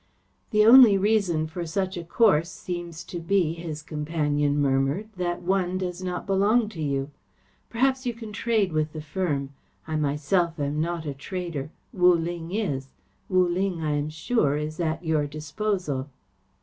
"The only reason for such a course seems to be," his companion murmured, "that one does not belong to you. Perhaps you can trade with the firm. I myself am not a trader. Wu Ling is. Wu Ling, I am sure, is at your disposal."